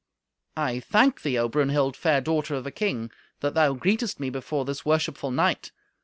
"I thank thee, O Brunhild, fair daughter of a king, that thou greetest me before this worshipful knight.